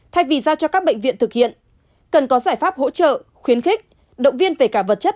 thay vì giao cho các bệnh viện thực hiện cần có giải pháp hỗ trợ khuyến khích động viên về cả vật chất